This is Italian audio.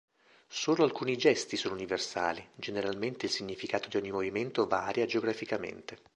Solo alcuni gesti sono universali: generalmente il significato di ogni movimento varia geograficamente.